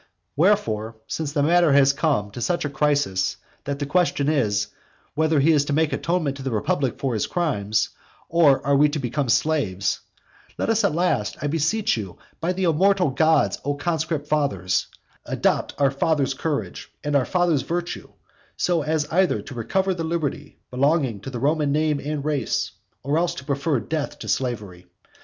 Wherefore, since the matter has come to such a crisis that the question is whether he is to make atonement to the republic for his crimes, or we are to become slaves, let us at last, I beseech you, by the immortal gods, O conscript fathers, adopt our fathers' courage, and our fathers' virtue, so as either to recover the liberty belonging to the Roman name and race, or else to prefer death to slavery.